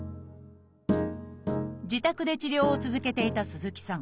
自宅で治療を続けていた鈴木さん。